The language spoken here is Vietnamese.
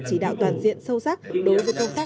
chỉ đạo toàn diện sâu sắc đối với công tác